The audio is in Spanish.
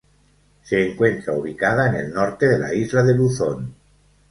Se encuentra ubicada en el norte de la isla de Luzón.